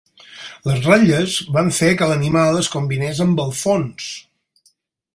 Les ratlles van fer que l'animal es combinés amb el fons,